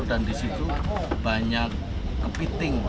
dan disitu banyak kepiting